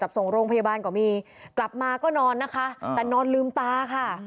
จับส่งโรงพยาบานกว่ามีกลับมาก็นอนนะคะแต่นอนฤือมตา